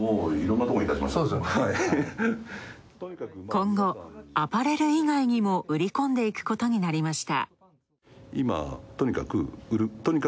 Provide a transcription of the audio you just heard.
今後、アパレル以外にも売り込んでいくことになりました。